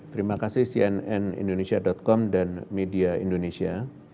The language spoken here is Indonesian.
terima kasih cnnindonesia com dan media indonesia